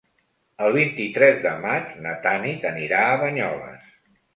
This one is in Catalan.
El vint-i-tres de maig na Tanit anirà a Banyoles.